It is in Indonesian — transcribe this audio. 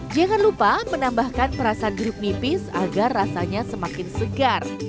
jangan lupa menambahkan perasaan jeruk nipis agar rasanya semakin segar